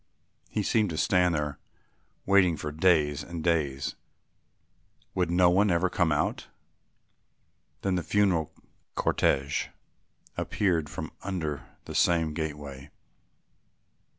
He seemed to stand there waiting for days and days. "Would no one ever come out?" Then the funeral cortège appeared from under the same gateway.